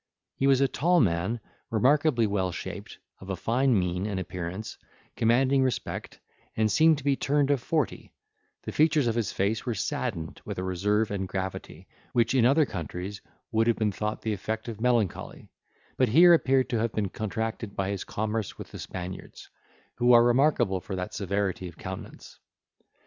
He was a tall man, remarkably well shaped, of a fine mien and appearance, commanding respect, and seemed to be turned of forty; the features of his face were saddened with a reserve and gravity, which in other countries would have been thought the effect of melancholy; but here appeared to have been contracted by his commerce with the Spaniards, who are remarkable for that severity of countenance.